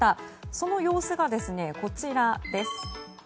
その様子がこちらです。